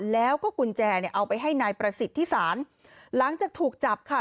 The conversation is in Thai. แล้วก็กุญแจเนี่ยเอาไปให้นายประสิทธิศาลหลังจากถูกจับค่ะ